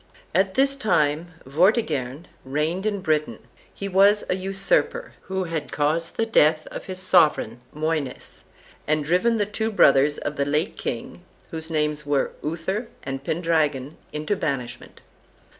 At this time Vortigern reigned in Britain. He was a usurper, who had caused the death of his sovereign, Moines, and driven the two brothers of the late king, whose names were Uther and Pendragon, into banishment.